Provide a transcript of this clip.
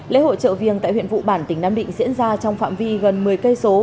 lễ hội chợ viêng tại huyện vụ bản tỉnh nam định diễn ra trong phạm vi gần một mươi km